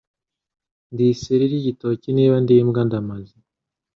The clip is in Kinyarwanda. Ndi iseri ry'igitoki niba ndi imbwa ndamaz